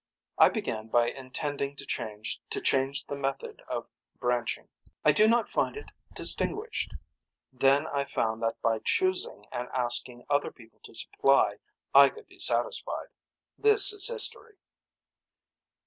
I began by intending to change to change the method of branching. I do not find it distinguished. Then I found that by choosing and asking other people to supply I could be satisfied. This is history.